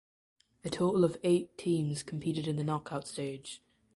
A total of eight teams competed in the knockout stage.